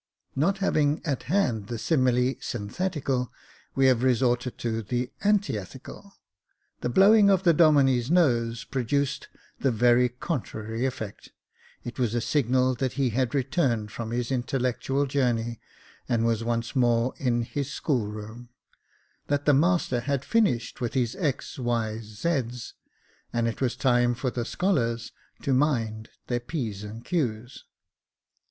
Not having at hand the simile synthetical, we have resorted to the antithetical. The blowing of the Domine's nose produced the very contrary effect. It was a signal that he had returned from his intellectual journey, and was once more in his school room — that the master had finished with his X, y, z's, and it was time for the scholars to mind their p's and q^s.